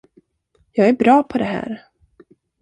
Jag är bra på det här.